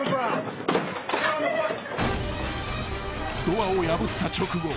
［ドアを破った直後］